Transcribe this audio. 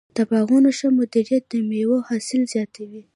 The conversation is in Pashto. د باغونو ښه مدیریت د مېوو حاصل زیاتوي.